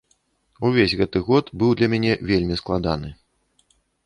Увесь гэты год быў для мяне вельмі складаны.